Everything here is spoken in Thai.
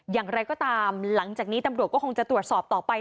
อย่างไรก็ตามหลังจากนี้ตำรวจก็คงจะตรวจสอบต่อไป